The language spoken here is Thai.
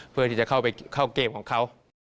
เพื่อที่จะเข้าเกมของเขา